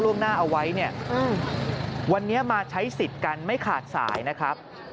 ล่วงหน้าเอาไว้เนี่ยวันนี้มาใช้สิทธิ์กันไม่ขาดสายนะครับ